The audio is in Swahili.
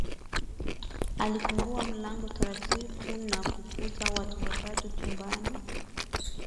Alifungua mlango taratibu na kukuta watu watatu chumbani